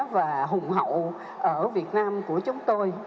và hùng hậu ở việt nam của chúng tôi